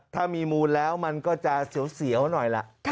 ถ้ามีมูลแล้วมันก็จะเสียวหน่อยล่ะ